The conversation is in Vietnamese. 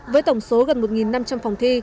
với tổng số gần một năm trăm linh phòng thi